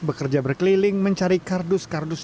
bekerja berkeliling mencari kardus kardus